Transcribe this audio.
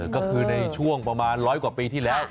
ก็คือในช่วงประมาณร้อยกว่าปีที่แล้ว